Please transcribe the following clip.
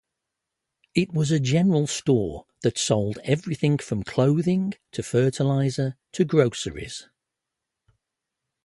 It was a general store that sold everything from clothing to fertilizer to groceries.